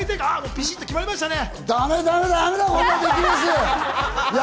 ビシっと決まりましたね。